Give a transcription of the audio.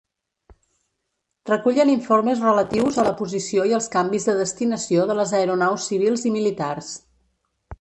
Recullen informes relatius a la posició i els canvis de destinació de les aeronaus civils i militars.